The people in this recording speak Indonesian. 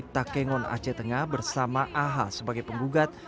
takengon aceh tengah bersama aha sebagai penggugat